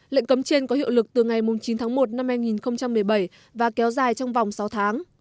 lệnh cấm trên có hiệu lực từ ngày chín tháng một năm hai nghìn một mươi bảy và kéo dài trong vòng sáu tháng